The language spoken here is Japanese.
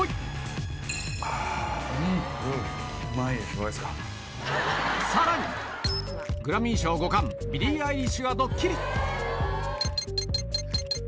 今さらにグラミー賞５冠ビリー・アイリッシュがドッキリ！